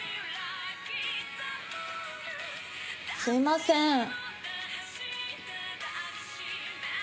すみません。